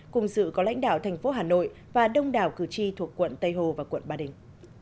cùng dự có lãnh đạo thành phố hà nội và đông đảo cử tri thuộc quận tây hồ và quận ba đình